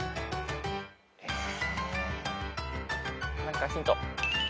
何かヒント。